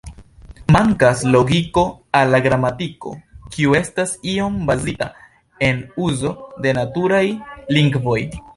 Mankas logiko al la gramatiko kiu estas iom bazita en uzo de naturaj lingvoj.